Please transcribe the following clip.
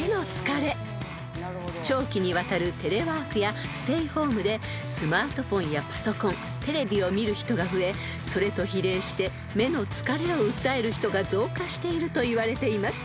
［長期にわたるテレワークやステイホームでスマートフォンやパソコンテレビを見る人が増えそれと比例して目の疲れを訴える人が増加しているといわれています］